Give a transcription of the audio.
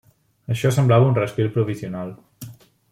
Això semblava un respir provisional.